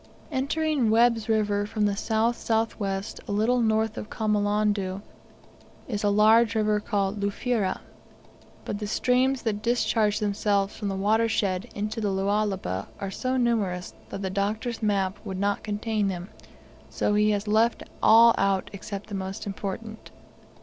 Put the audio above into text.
Entering Webb's River from the south south west, a little north of Kamolondo, is a large river called Lufira, but the streams, that discharge themselves from the watershed into the Lualaba are so numerous that the Doctor's map would not contain them, so he has left all out except the most important.